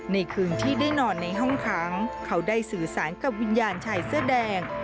ในคืนที่ได้นอนในห้องขังเขาได้สื่อสารกับวิญญาณชายเสื้อแดง